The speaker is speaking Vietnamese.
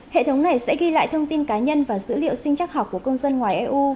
hệ thống này sẽ ghi lại thông tin cá nhân và dữ liệu sinh chắc học của công dân ngoài eu